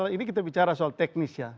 ini kita bicara soal teknis ya